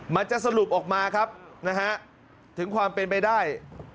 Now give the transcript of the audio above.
มันจะสรุปออกมาครับนะฮะถึงความเป็นไปได้